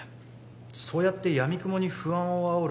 そうやってやみくもに不安をあおる